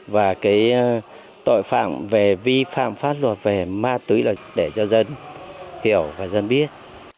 và cái tội phạm về vi phạm pháp luật về ma túy là để cho dân hiểu và dân biết